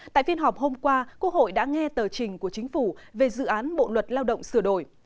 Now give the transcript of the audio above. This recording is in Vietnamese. tại phiên họp hôm qua quốc hội đã nghe tờ trình của chính phủ về dự án bộ luật lao động sửa đổi